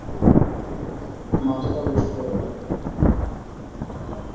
মাথাটা উঁচু করে রাখো।